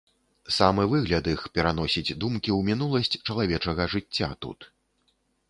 Самы выгляд іх пераносіць думкі ў мінуласць чалавечага жыцця тут.